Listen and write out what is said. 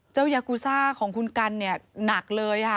ยากูซ่าของคุณกันเนี่ยหนักเลยค่ะ